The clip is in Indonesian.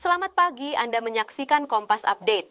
selamat pagi anda menyaksikan kompas update